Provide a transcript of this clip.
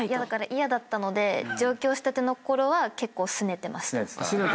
嫌だったので上京したてのころは結構すねてました。